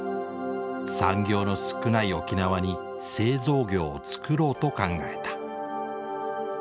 産業の少ない沖縄に製造業を作ろうと考えた。